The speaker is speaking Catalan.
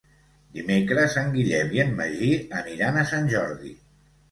Dimecres en Guillem i en Magí aniran a Sant Jordi.